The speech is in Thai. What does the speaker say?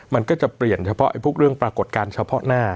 มันก็จะเปลี่ยนเฉพาะพวกเรื่องปรากฏการณ์เฉพาะหน้า